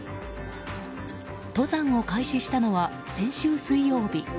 登山を開始したのは先週水曜日。